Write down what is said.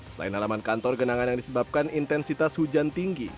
selain halaman kantor genangan yang disebabkan intensitas hujan tinggi